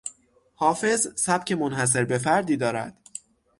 حافظ سبک منحصر بفردی دارد.